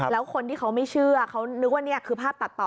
แล้วคนที่เขาไม่เชื่อเขานึกว่านี่คือภาพตัดต่อ